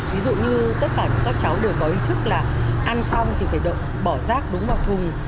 ví dụ như tất cả các cháu đều có ý thức là ăn xong thì phải bỏ rác đúng vào thùng